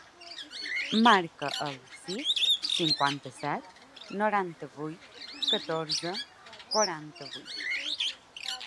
Marca el sis, cinquanta-set, noranta-vuit, catorze, quaranta-vuit.